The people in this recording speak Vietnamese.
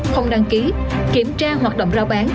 không đăng ký kiểm tra hoạt động rao bán